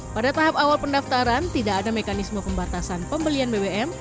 pada tahap awal pendaftaran tidak ada mekanisme pembatasan pembelian bbm